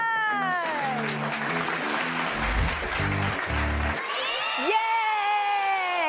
เย่